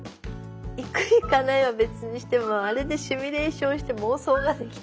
行く行かないは別にしてもあれでシミュレーションして妄想ができた。